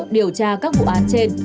điều tra các vụ án trên